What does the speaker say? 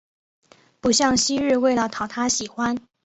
不像昔日为了讨他喜欢